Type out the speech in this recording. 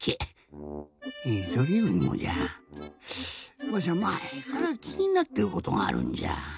えそれよりもじゃわしゃまえからきになってることがあるんじゃ。